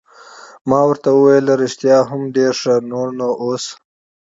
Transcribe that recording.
ما ورته وویل: رښتیا هم ډېر ښه، نور نو اوس.